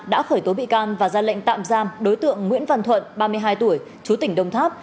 đã khởi tố bị can và ra lệnh tạm giam đối tượng nguyễn văn thuận ba mươi hai tuổi chú tỉnh đồng tháp